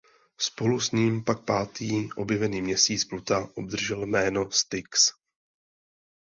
Spolu s ním pak pátý objevený měsíc Pluta obdržel jméno Styx.